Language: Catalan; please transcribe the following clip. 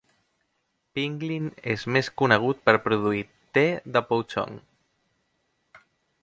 Pinglin és més conegut per produir te de pouchong.